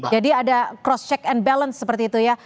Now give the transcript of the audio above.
jadi ada cross check and balance seperti itu ya